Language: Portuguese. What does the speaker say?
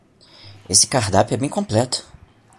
Esse cardápio é bem completo